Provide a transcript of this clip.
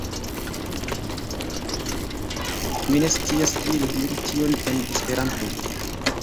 Mi ne scias kiel diri tion en Esperanto.